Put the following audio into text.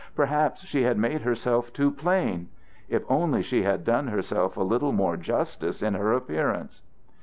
Perhaps she had made herself too plain. If only she had done herself a little more justice in her appearance!